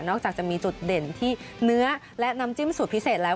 จากจะมีจุดเด่นที่เนื้อและน้ำจิ้มสูตรพิเศษแล้ว